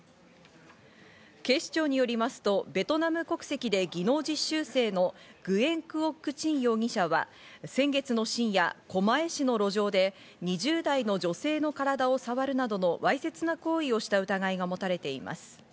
警視庁によりますと、ベトナム国籍で技能実習生のグエン・クオック・チン容疑者は先月の深夜、狛江市の路上で、２０代の女性の体を触るなどのわいせつな行為をした疑いが持たれています。